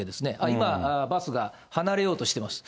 今、バスが離れようとしています。